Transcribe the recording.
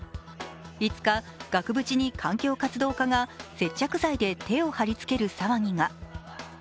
５日額縁に環境活動家が接着剤で手を貼り付ける騒ぎが。